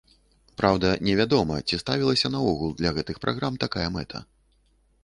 Праўда, не вядома, ці ставілася наогул для гэтых праграм такая мэта.